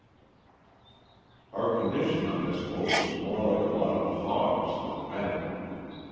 Our condi tion on this boat was more like a lot of hogs than men.